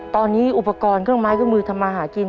ตอนนี้อุปกรณ์เครื่องไม้เครื่องมือทำมาหากิน